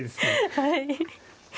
はい。